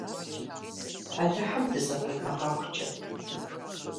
Алыхьым дызэкъуимыгъэхукӏэ!